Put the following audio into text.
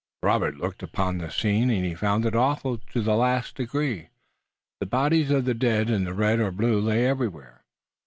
Robert looked upon the scene and he found it awful to the last degree. The bodies of the dead in red or blue lay everywhere.